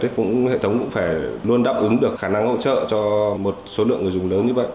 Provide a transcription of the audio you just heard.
hệ thống cũng phải luôn đáp ứng được khả năng hỗ trợ cho một số lượng người dùng lớn như vậy